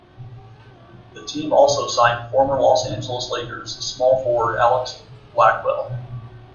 The team also signed former Los Angeles Lakers small forward Alex Blackwell.